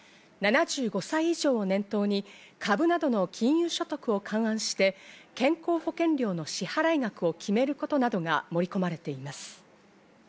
７５歳以上を念頭に、株などの金融所得を勘案して、健康保険料の支払い額を決めることなどが盛り込まれています。